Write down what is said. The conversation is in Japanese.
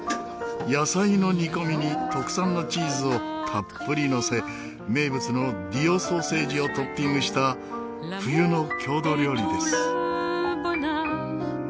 野菜の煮込みに特産のチーズをたっぷりのせ名物のディオソーセージをトッピングした冬の郷土料理です。